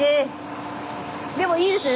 でもいいですね。